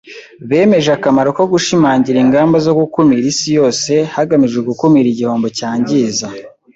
Bemeje akamaro ko gushimangira ingamba zo gukumira isi yose hagamijwe gukumira igihombo cyangiza.